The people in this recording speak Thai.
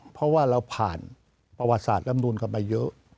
เพราะว่าเราผ่านประวัติศาสตรำนูนกันไปเยอะ